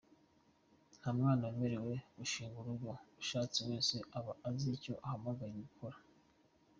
Nta mwana wemerewe gushinga urugo, ushatse wese aba azi icyo ahamagariwe gukora.